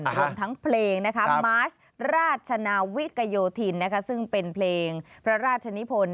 รวมทั้งเพลงมาร์ชราชนาวิกโยธินซึ่งเป็นเพลงพระราชนิพล